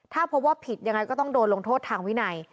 ถ้าพบว่าผิดยังไงก็ต้องโดนลงโทษทางวินัย